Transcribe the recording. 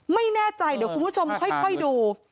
ไม่แน่ใจเดี๋ยวคุณผู้ชมค่อยดู